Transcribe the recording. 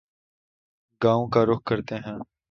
گاوں کا رخ کرتے ہیں